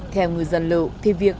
theo ngư dân lự thì việc